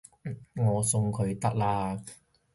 我送佢得喇